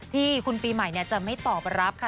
ที่คุณปีใหม่จะไม่ตอบรับค่ะ